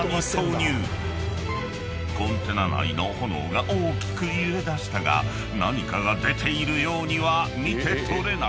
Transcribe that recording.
［コンテナ内の炎が大きく揺れだしたが何かが出ているようには見て取れない］